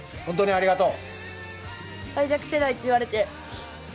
ありがとう！